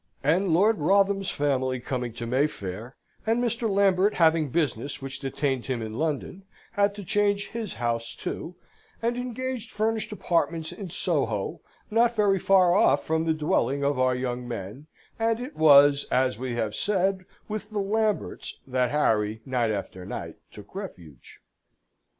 And Lord Wrotham's family coming to Mayfair, and Mr. Lambert having business which detained him in London, had to change his house, too, and engaged furnished apartments in Soho, not very far off from the dwelling of our young men; and it was, as we have said, with the Lamberts that Harry, night after night, took refuge.